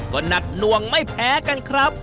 ก็หนักหน่วงไม่แพ้กันครับ